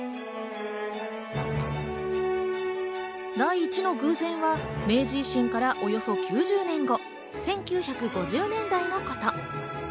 第１の偶然は明治維新からおよそ９０年後、１９５０年代のこと。